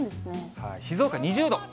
静岡２０度。